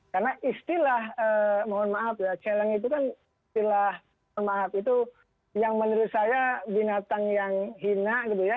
karena istilah mohon maaf ya celeng itu kan istilah mohon maaf itu yang menurut saya binatang yang hina gitu ya